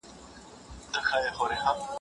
د ښارونو اقتصاد معمولا تر کلیو پیاوړی وي.